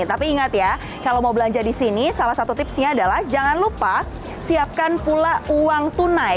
tapi ingat ya kalau mau belanja di sini salah satu tipsnya adalah jangan lupa siapkan pula uang tunai